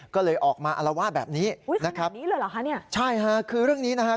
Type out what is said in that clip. ก็เลยออกมาอลวาดแบบนี้นะครับใช่ค่ะคือเรื่องนี้นะฮะ